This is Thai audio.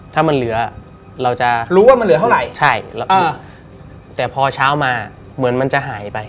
ถ้ามันเหลือเราจะรู้ว่ามันเหลือเท่าไหร่ใช่แล้วก็แต่พอเช้ามาเหมือนมันจะหายไป